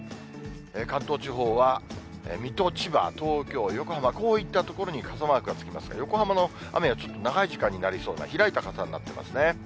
関東地方は水戸、千葉、東京、横浜、こういった所に傘マークが付きますが、横浜の雨はちょっと長い時間になりそうな、開いた傘になってますね。